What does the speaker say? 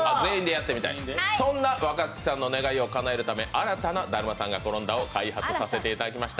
そんな若槻さんの願いをかなえるため、新たなだるまさんがころんだを開発させてもらいました。